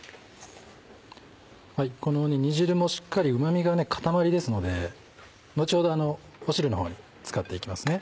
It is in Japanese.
この煮汁もしっかりうま味が固まりですので後ほど汁の方に使っていきますね。